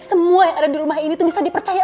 semua yang ada di rumah ini itu bisa dipercaya